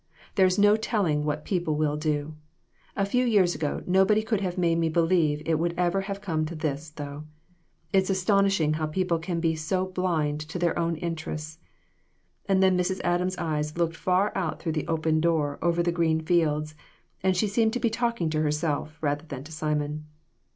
There's no telling what people will do. A few years ago nobody could have made me believe it would ever have come to this, though. It's aston ishing how people can be so blind to their own interests !" And then Mrs. Adams' eyes looked far out through the open door over the green fields, and she seemed to be talking to herself rather than to Simon.